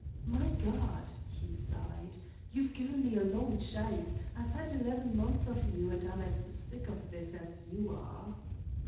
"My God," he sighed, "you've given me a long chase! I've had eleven months of you, and I'm as sick of this as you are."